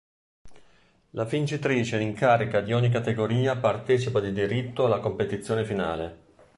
La vincitrice in carica di ogni categoria partecipa di diritto alla competizione finale.